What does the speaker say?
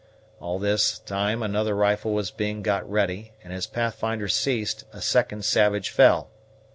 All this time another rifle was being got ready; and as Pathfinder ceased, a second savage fell.